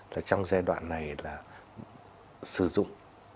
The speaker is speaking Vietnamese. là trong giai đoạn này là sử dụng